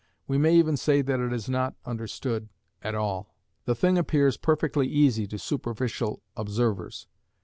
We may even say that it is not understood at all. The thing appears perfectly easy to superficial observers.